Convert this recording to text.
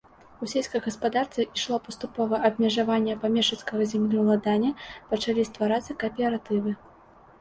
У сельскай гаспадарцы ішло паступовае абмежаванне памешчыцкага землеўладання, пачалі стварацца кааператывы.